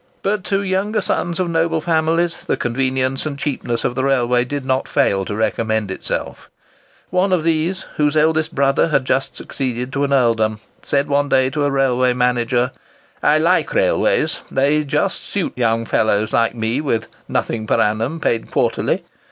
But to younger sons of noble families the convenience and cheapness of the railway did not fail to recommend itself. One of these, whose eldest brother had just succeeded to an earldom, said one day to a railway manager: "I like railways—they just suit young fellows like me with 'nothing per annum paid quarterly.